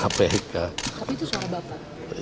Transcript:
tapi itu suara bapak